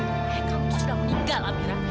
ayah kamu tuh sudah meninggal amirah